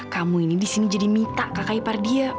kamu ini di sini jadi mita kakai par dia